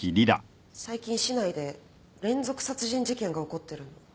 最近市内で連続殺人事件が起こってるの。